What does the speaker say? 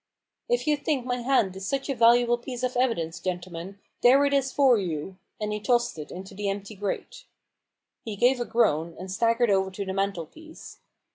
" If you think my hand is such a valuable piece of evidence, gentlemen, there it is for you !" and he tossed it into the empty grate. He gave a groan, and staggered over to the mantel piece.